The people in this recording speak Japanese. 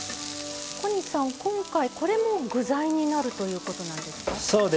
小西さん、これも今回具材になるということなんですか。